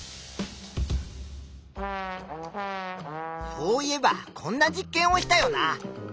そういえばこんな実験をしたよな。